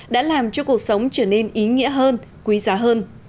đã làm cho cuộc sống trở nên ý nghĩa hơn quý giá hơn